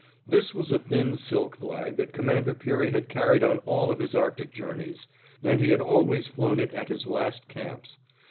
This was a thin silk flag that Commander Peary had carried on all of his Arctic journeys, and he had always flown it at his last camps.